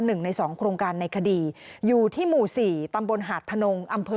๑ใน๒โครงการในคดีอยู่ที่หมู่๔ตำบลหาดถนงอำเภอ